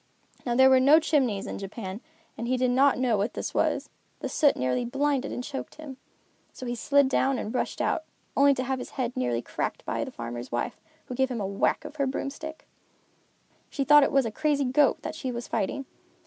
Now there were no chimneys in Japan and he did not know what this was. The soot nearly blinded and choked him. So he slid down and rushed out, only to have his head nearly cracked by the farmer's wife, who gave him a whack of her broomstick. She thought it was a crazy goat that she was fighting.